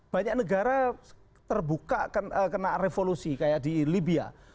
banyak negara terbuka kena revolusi kayak di libya